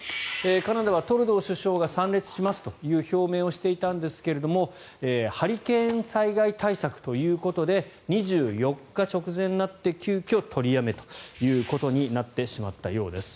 カナダはトルドー首相が参列しますという表明をしていたんですがハリケーン災害対策ということで２４日、直前になって急きょ、取りやめということになってしまったようです。